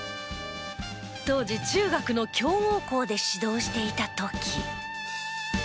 当時中学の強豪校で指導していた時。